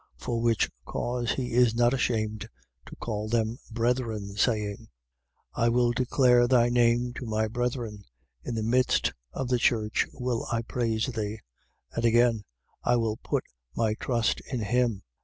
For which cause he is not ashamed to call them brethren, saying: 2:12. I will declare thy name to my brethren: in the midst of the church will I praise thee. 2:13. And again: I will put my trust in him.